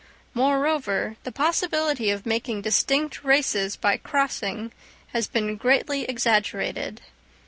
Moreover, the possibility of making distinct races by crossing has been greatly exaggerated.